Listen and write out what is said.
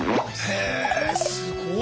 へぇすごい！